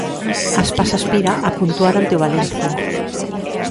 Aspas aspira a puntuar ante o Valencia.